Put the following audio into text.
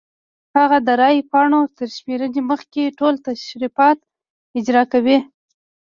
هغه د رای پاڼو تر شمېرنې مخکې ټول تشریفات اجرا کوي.